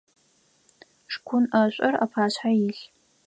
Шкъун ӏэшӏур апашъхьэ илъ.